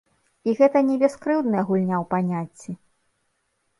І гэта не бяскрыўдная гульня ў паняцці.